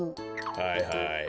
はいはい。